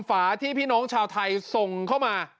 ฝาที่พี่น้องชาวไทยส่งเข้ามา